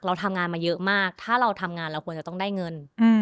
เราทำงานมาเยอะมากถ้าเราทำงานเราควรจะต้องได้เงิน